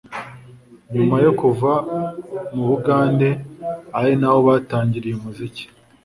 nyuma yo kuva mu Bugande ari naho yatangiriye umuziki